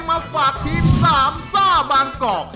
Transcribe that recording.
มาฝากทีมสามซ่าบางกอก